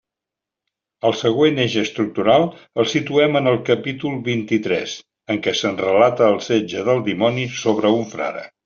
El següent eix estructural el situem en el capítol vint-i-tres, en què se'ns relata el setge del dimoni sobre un frare.